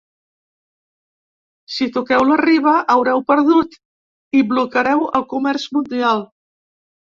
Si toqueu la riba, haureu perdut i blocareu el comerç mundial.